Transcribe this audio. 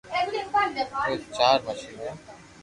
جو چار مݾين ھي